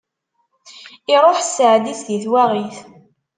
Iruḥ sseɛd-is di twaɣit.